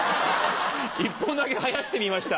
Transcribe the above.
１本だけ生やしてみました。